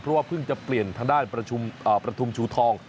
เพราะว่าเพิ่งจะเปลี่ยนทางด้านประทุมชูทอง